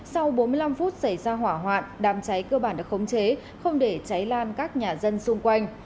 sau bốn mươi năm phút xảy ra hỏa hoạn đám cháy cơ bản đã khống chế không để cháy lan các nhà dân xung quanh